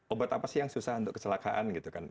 obat apa sih yang susah untuk kecelakaan gitu kan